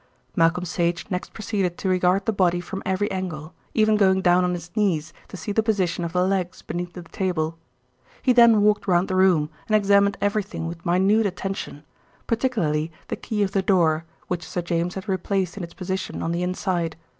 Malcolm Sage next proceeded to regard the body from every angle, even going down on his knees to see the position of the legs beneath the table. He then walked round the room and examined everything with minute attention, particularly the key of the door, which Sir James had replaced in its position on the inside.